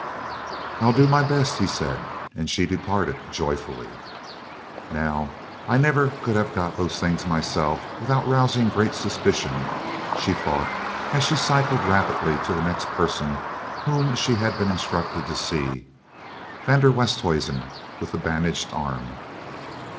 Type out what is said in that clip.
"I'll do my best," he said, and she departed joyfully. "Now, I could never have got those things myself without rousing great suspicion," she thought as she cycled rapidly to the next person whom she had been instructed to see van der Westhuizen with the bandaged arm.